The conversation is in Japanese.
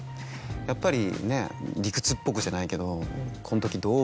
やっぱりね理屈っぽくじゃないけど。